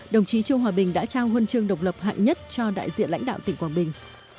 đồng chí trương hòa bình đã trao huân chương độc lập hạng nhất cho đại diện lãnh đạo tỉnh quảng bình